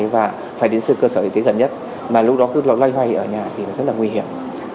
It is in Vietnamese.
và phải đến sự cơ sở y tế gần nhất mà lúc đó cứ là loay hoay ở nhà thì rất là nguy hiểm